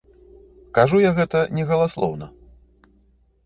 Кажу я гэта не галаслоўна.